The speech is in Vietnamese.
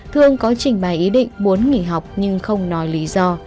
thương có trình bày ý định muốn nghỉ học nhưng không nói lý do